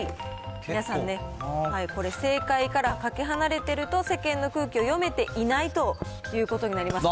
皆さんね、これ、正解からかけ離れていると、世間の空気を読めていないということになりますから。